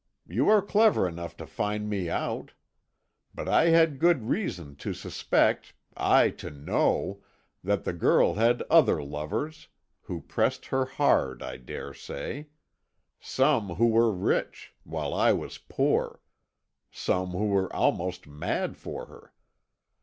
You are clever enough to find me out. But I had good reason to suspect, aye, to know, that the girl had other lovers, who pressed her hard, I dare say; some who were rich, while I was poor; some who were almost mad for her.